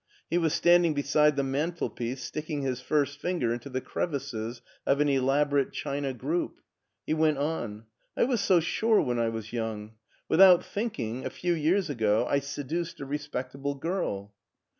He was standing beside the mantelpiece, sticking his first finger into the crev ices of an elaborate china group. He went on :I was so sure when I was young. Without think ing, a few years ago, I seduced a respectable girl."